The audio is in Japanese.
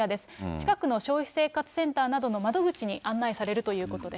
近くの消費生活センターなどの窓口に案内されるということです。